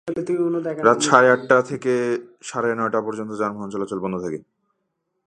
রাত সাড়ে আটটা থেকে সাড়ে নয়টা পর্যন্ত যানবাহন চলাচল বন্ধ থাকে।